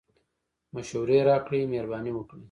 مشوري راکړئ مهربانی وکړئ